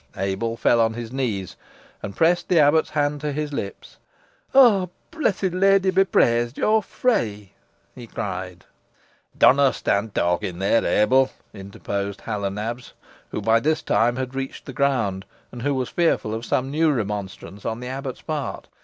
Abel fell on his knees, and pressed the abbot's hand to his lips. "Owr Blessed Leady be praised, yo are free," he cried. "Dunna stond tawking here, Ebil," interposed Hal o' Nabs, who by this time had reached the ground, and who was fearful of some new remonstrance on the abbot's part.